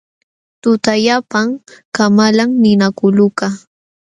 Tutallapam kamalan ninakulukaq.